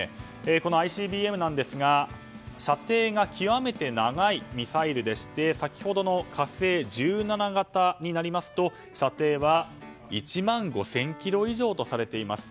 このＩＣＢＭですが射程が極めて長いミサイルでして、先ほどの「火星１７」型になりますと射程は１万５０００ｋｍ以上とされています。